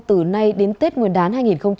từ nay đến tết nguyên đán hai nghìn một mươi tám